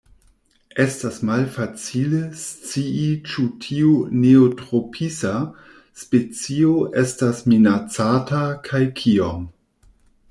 Estas malfacile scii ĉu tiu neotropisa specio estas minacata kaj kiom.